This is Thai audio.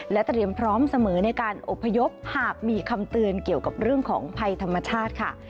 เตรียมพร้อมเสมอในการอบพยพหากมีคำเตือนเกี่ยวกับเรื่องของภัยธรรมชาติค่ะ